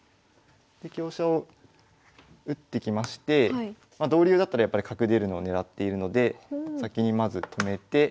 で香車を打ってきまして同竜だったらやっぱり角出るのを狙っているので先にまず止めて。